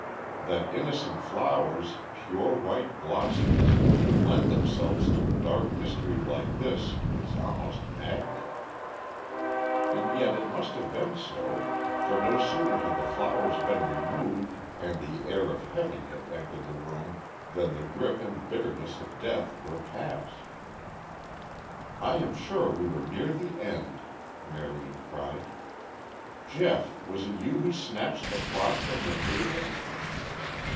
That innocent flowers, pure white blossoms, could lend themselves to a dark mystery like this was almost maddening. And yet it must have been so, for no sooner had the flowers been removed and the air of heaven had entered the room than the grip and bitterness of death were past. "I am sure we were near the end," Marion cried. "Geoff, was it you who snatched the cloth from the table?"